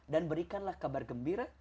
dan berikanlah kabar gembira